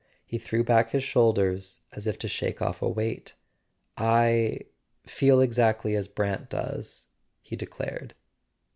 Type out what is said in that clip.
He threw back his shoulders, as if to shake off a weight. "I—feel exactly as Brant does," he declared.